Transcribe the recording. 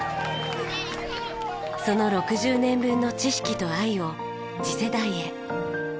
その６０年分の知識と愛を次世代へ。